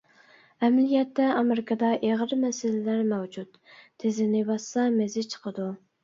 ئەمەلىيەتتە، ئامېرىكىدا ئېغىر مەسىلىلەر مەۋجۇت، «تېزىنى باسسا، مېزى چىقىدۇ» .